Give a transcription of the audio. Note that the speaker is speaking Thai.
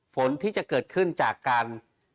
ฝนที่จะเกิดขึ้นจากการ